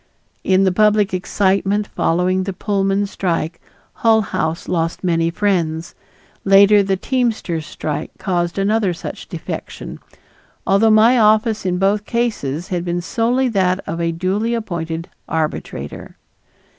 In the public excitement following the Pullman strike Hull House lost many friends; later the teamsters' strike caused another such defection, although my office in both cases had been solely that of a duly appointed arbitrator.